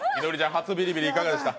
初ビリビリいかがでした？